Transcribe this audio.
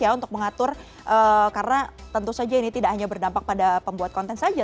untuk mengatur karena tentu saja ini tidak hanya berdampak pada pembuat konten saja